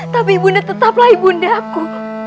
tapi ibu nda tetaplah ibu nda aku